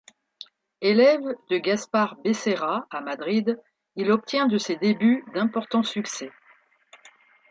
Élève de Gaspar Becerra à Madrid, il obtient de ses débuts d'importants succès.